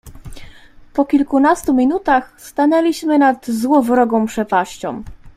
"Po kilkunastu minutach, stanęliśmy nad złowrogą przepaścią."